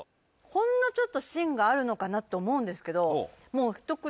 ほんのちょっと芯があるのかな？って思うんですけどひと口